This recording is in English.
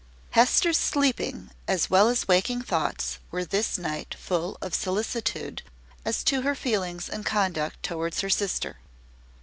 Hester's sleeping as well as waking thoughts were this night full of solicitude as to her feelings and conduct towards her sister.